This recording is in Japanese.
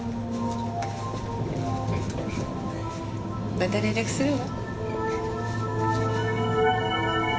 また連絡するわ。